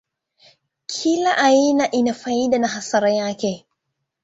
Kila aina ina faida na hasara yake.